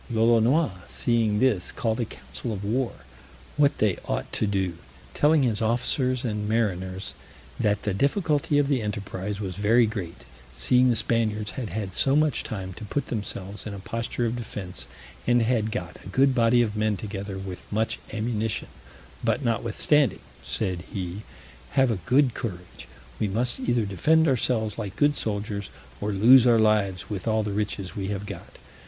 Lolonois seeing this, called a council of war what they ought to do, telling his officers and mariners, "That the difficulty of the enterprise was very great, seeing the Spaniards had had so much time to put themselves in a posture of defense, and had got a good body of men together, with much ammunition; but notwithstanding," said he, "have a good courage; we must either defend ourselves like good soldiers, or lose our lives with all the riches we have got.